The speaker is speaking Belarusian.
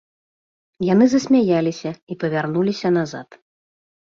Яны засмяяліся і павярнуліся назад.